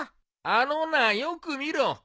あのなよく見ろ。